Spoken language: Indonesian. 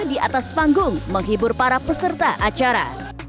di atas panggung menghibur para peserta acara